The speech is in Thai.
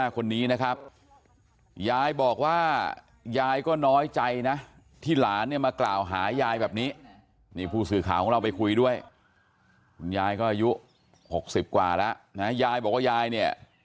คุณยายก็อายุ๖๐กว่าแล้วยายบอกว่ายายเนี่ย